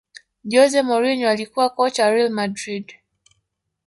jose mourinho alikuwa kocha wa real madridhi